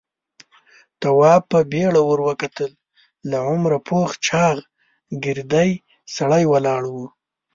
تواب په بيړه ور وکتل. له عمره پوخ چاغ، ګردی سړی ولاړ و.